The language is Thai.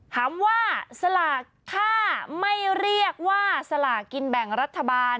ถามว่าสลากถ้าไม่เรียกว่าสลากกินแบ่งรัฐบาล